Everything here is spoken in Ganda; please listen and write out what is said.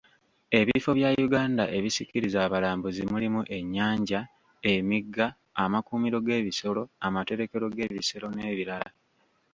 Ebifo bya Uganda ebisikiriza abalambuzi mulimu ennyanja, emigga, amakuumiro g'ebisolo, amaterekero g'ebisolo n'ebirala.